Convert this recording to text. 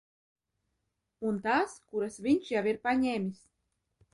Un tās, kuras viņš jau ir paņēmis?